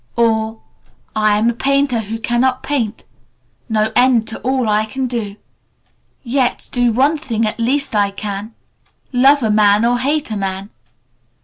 "or 'I am a Painter who cannot paint, No end to all I cannot do. _Yet do one thing at least I can, Love a man, or hate a man!